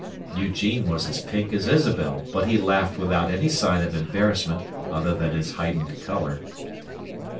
Eugene was as pink as Isabel, but he laughed without any sign of embarrassment other than his heightened colour.